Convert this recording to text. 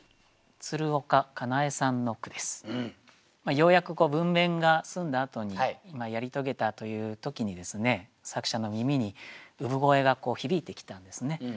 ようやく分娩が済んだあとにやり遂げたという時に作者の耳に産声が響いてきたんですね。